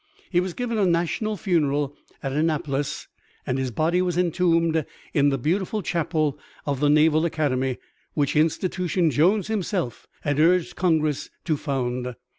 He was given a national funeral at Annapolis and his body was entombed in the beautiful Chapel of the Naval Academy, which institution Jones himself had urged Congress to found.